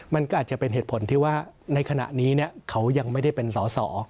มันก็อาจจะเป็นเหตุผลที่ว่าในขณะนี้เขายังไม่ได้เป็นสอสอ